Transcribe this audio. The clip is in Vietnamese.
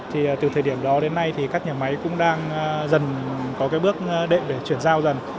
thì từ thời điểm đó đến nay thì các nhà máy cũng đang dần có cái bước đệm để chuyển giao dần